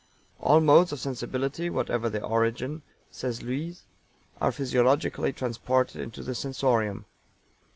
"All modes of sensibility, whatever their origin," says LUYS, "are physiologically transported into the sensorium.